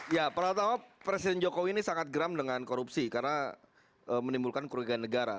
ya pertama presiden jokowi ini sangat geram dengan korupsi karena menimbulkan kerugian negara